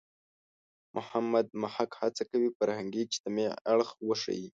محمد محق هڅه کوي فرهنګي – اجتماعي اړخ وښيي.